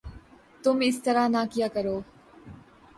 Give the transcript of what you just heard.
تم اس طرح نہ کیا کرو